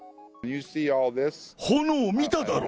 炎を見ただろ。